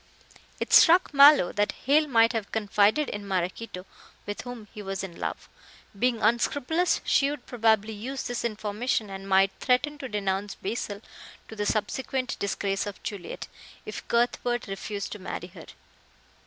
It struck Mallow that Hale might have confided in Maraquito, with whom he was in love. Being unscrupulous, she would probably use this information, and might threaten to denounce Basil, to the subsequent disgrace of Juliet, if Cuthbert refused to marry her.